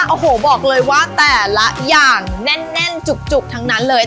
โอ้โหบอกเลยว่าแต่ละอย่างแน่นจุกทั้งนั้นเลย